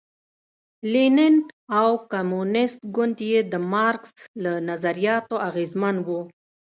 لینین او کمونېست ګوند یې د مارکس له نظریاتو اغېزمن و.